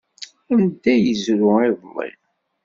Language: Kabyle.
Anda ay yezrew iḍelli?